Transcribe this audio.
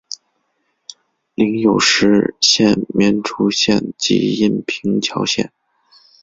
领有实县绵竹县及阴平侨县。